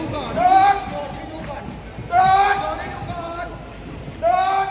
สวัสดีครับ